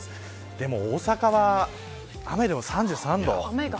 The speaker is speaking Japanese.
でも大阪は雨でも３３度。